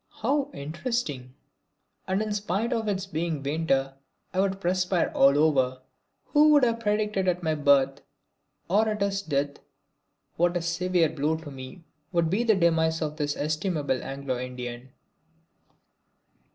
"How interesting!" And in spite of its being winter I would perspire all over. Who would have predicted at my birth or at his death what a severe blow to me would be the demise of this estimable Anglo Indian!